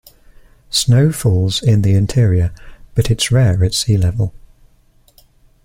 Snow falls in the interior, but it's rare at sea level.